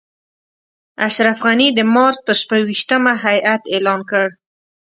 اشرف غني د مارچ پر شپږویشتمه هیات اعلان کړ.